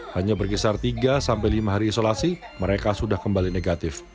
hanya berkisar tiga sampai lima hari isolasi mereka sudah kembali negatif